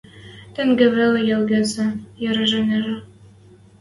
Тенге вел ылгецӹ — ярынежӹ